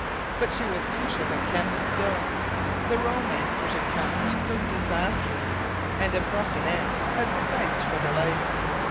But she was Koosje van Kampen still; the romance which had come to so disastrous and abrupt an end had sufficed for her life.